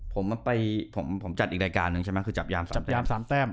ผมจัดอีกรายการหนึ่งใช่มั้ยคือจับยาม๓แต้ม